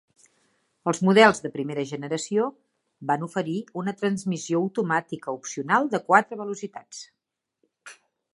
Els models de primera generació van oferir una transmissió automàtica opcional de quatre velocitats.